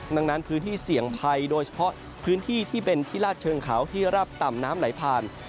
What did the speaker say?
ดังนั้นพื้นที่เสี่ยงภัยโดยเฉพาะพื้นที่ที่เป็นที่ลาดเชิงเขาที่รับต่ำน้ำไหลผ่าน